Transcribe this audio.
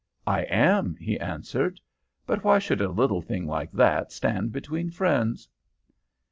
"'I am,' he answered. 'But why should a little thing like that stand between friends?'